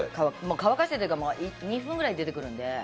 乾かしてというか、２分ぐらいで出てくるんで。